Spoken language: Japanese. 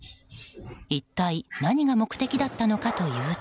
一体何が目的だったのかというと。